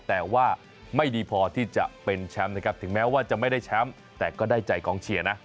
แต่ว่าไม่ดีพอที่จะเป็นแชมป์นะครับถึงแม้ว่าจะไม่ได้แชมป์แต่ก็ได้ใจกองเชียร์นะ